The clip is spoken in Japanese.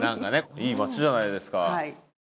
いい町じゃないですか。